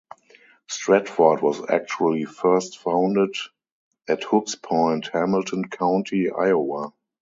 Stratford was actually first founded at Hook's Point, Hamilton County, Iowa.